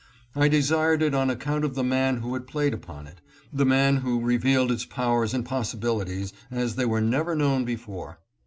I desired it on account of the man who had played upon it — the man who revealed its powers and possibilities as they were never known before.